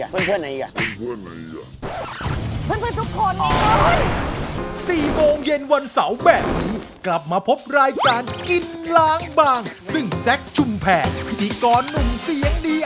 รายการกินล้างบางซึ่งแซคชุ่มแผงพิธีกรหนุ่มเสียงดี